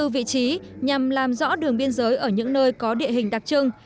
hai mươi bốn vị trí nhằm làm rõ đường biên giới ở những nơi có địa hình đặc trưng